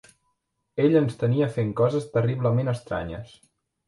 Ell ens tenia fent coses terriblement estranyes.